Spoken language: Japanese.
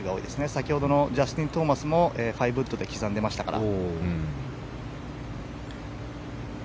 先ほどのジャスティン・トーマスも５ウッドで刻んでましたから。